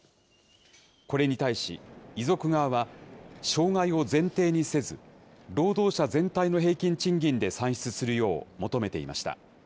これに対し、遺族側は、障害を前提にせず、労働者全体の平均賃金で算出するよう求めていました。